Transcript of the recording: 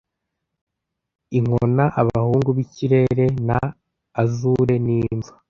inkona abahungu b'ikirere na azure ni imva